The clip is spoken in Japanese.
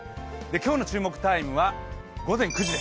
今日の注目タイムは午前９時。